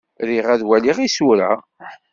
Riɣ ad waliɣ isura.